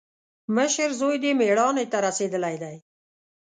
مشر زوی دې مېړانې ته رسېدلی دی.